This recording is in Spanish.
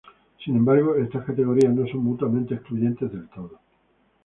Sin embargo, estas categorías no son mutuamente excluyentes del todo.